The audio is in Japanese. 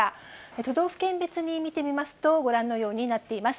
都道府県別に見てみますと、ご覧のようになっています。